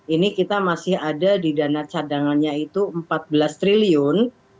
ini kita masih ada di dana cadangannya itu rp empat belas triliun